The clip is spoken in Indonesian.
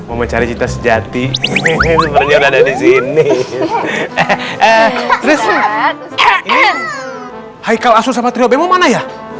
mau mencari kita sejati ini udah ada di sini hai hai hai hai hai hai hai hai hai hai hai hai hai